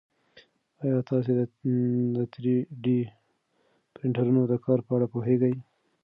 ایا تاسي د تری ډي پرنټرونو د کار په اړه پوهېږئ؟